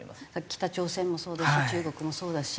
北朝鮮もそうですし中国もそうだし